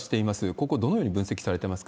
ここ、どのように分析されてます